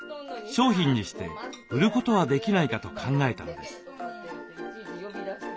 商品にして売ることはできないかと考えたのです。